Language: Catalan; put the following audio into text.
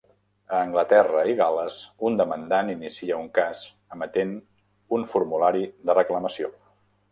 A Anglaterra i Gal·les, un demandant inicia un cas emetent un formulari de reclamació.